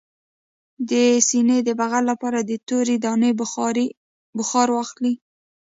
د سینې د بغل لپاره د تورې دانې بخار واخلئ